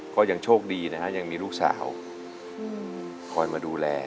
ก็ยังโชคดีนะฮะยังมีลูกสาวคอยมาดูแล